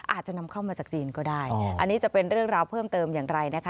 อาจจะนำเข้ามาจากจีนก็ได้อันนี้จะเป็นเรื่องราวเพิ่มเติมอย่างไรนะคะ